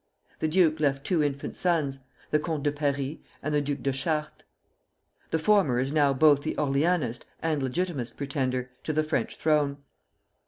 The duke left two infant sons, the Comte de Paris and the Duc de Chartres. The former is now both the Orleanist and Legitimist pretender, to the French throne.